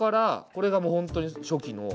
これがもう本当に初期の。